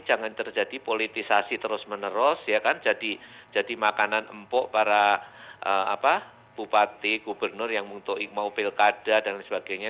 jangan terjadi politisasi terus menerus ya kan jadi makanan empuk para bupati gubernur yang mau pilkada dan sebagainya